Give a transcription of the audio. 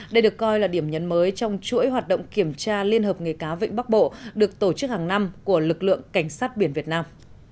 đây được coi là điểm nhấn mới trong chuỗi hoạt động kiểm tra liên hợp nghề cáo vịnh bắc bộ được tổ chức hàng năm của lực lượng cảnh sát biển việt nam